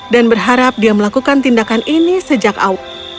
berharap dia melakukan tindakan ini sejak awal